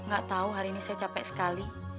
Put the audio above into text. gak tahu hari ini saya capek sekali